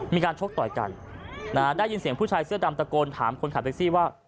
ชกต่อยกันได้ยินเสียงผู้ชายเสื้อดำตะโกนถามคนขับแท็กซี่ว่า